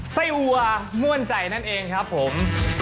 ไส้วัวม่วนใจนั่นเองครับผม